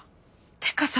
てかさ